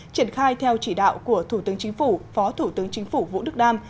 triển khai theo chỉ đạo của thủ tướng chính phủ phó thủ tướng chính phủ vũ đức đam